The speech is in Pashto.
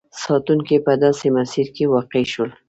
ساتونکي په داسې مسیر کې واقع شول.